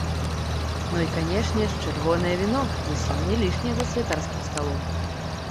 Ну і, канешне ж, чырвонае віно, зусім не лішняе за святарскім сталом.